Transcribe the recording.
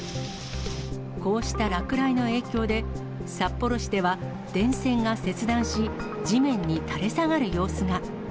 こうした落雷の影響で、札幌市では電線が切断し、地面に垂れ下がる様子が。